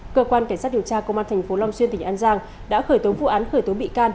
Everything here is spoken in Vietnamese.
cơ quan cảnh sát điều tra công an tp long xuyên tỉnh an giang đã khởi tố vụ án khởi tố bị can